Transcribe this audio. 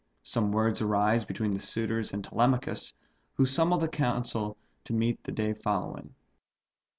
Some words arise between the suitors and Telemachus, who summons the council to meet the day following.